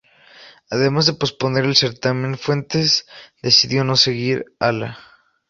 Además de posponer el certamen, Fuentes decidió no seguir a la.